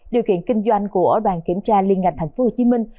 điều kiện kinh doanh của ủa bàn kiểm tra liên ngạch tp hcm